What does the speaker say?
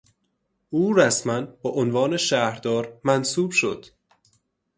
او رسما به عنوان شهردار منصوب شد.